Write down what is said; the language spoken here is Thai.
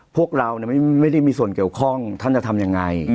พวกเราไม่ได้มีส่วนเกี่ยวข้องท่านจะทำยังไง